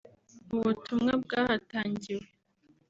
Mu butumwa bwahatangiwe